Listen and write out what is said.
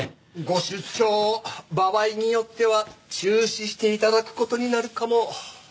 ご出張場合によっては中止して頂く事になるかも。